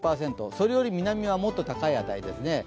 それより南はもっと高い値ですね。